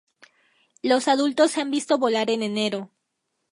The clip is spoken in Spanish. Los adultos se han visto volar en enero.